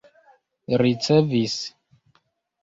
ricevis